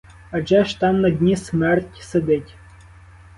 Адже ж там на дні смерть сидить!